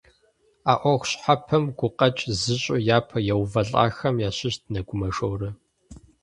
А ӏуэху щхьэпэм гукъэкӏ зыщӏу япэ еувэлӏахэм ящыщт Нэгумэ Шорэ.